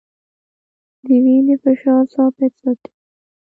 د وینې فشار ثابت ساتي.